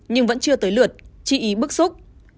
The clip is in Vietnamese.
nhưng vẫn chưa tới lượt chỉ ý bức xúc